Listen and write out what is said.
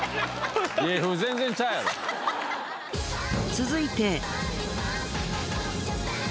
続いて。